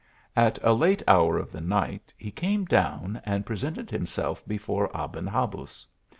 At a late hour of the night he came down and presented himself before Aben Habuz.